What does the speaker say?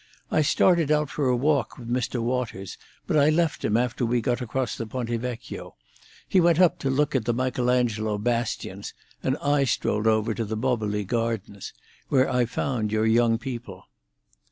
"I started out for a walk with Mr. Waters, but I left him after we got across the Ponte Vecchio; he went up to look at the Michelangelo bastions, and I strolled over to the Boboli Gardens—where I found your young people."